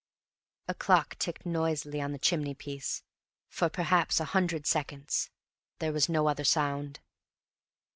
A clock ticked noisily on the chimney piece; for perhaps a hundred seconds there was no other sound.